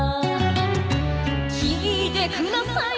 「聞いてください